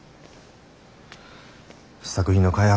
試作品の開発